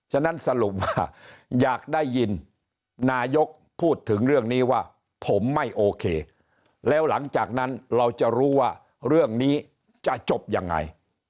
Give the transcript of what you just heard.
ฉะนั้นสรุปว่าอยากได้ยินนายกพูดถึงเรื่องนี้ว่าผมไม่โอเคแล้วหลังจากนั้นเราจะรู้ว่าเรื่องนี้จะจบยังไง